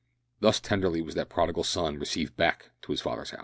Thus tenderly was that prodigal son received back to his father's house.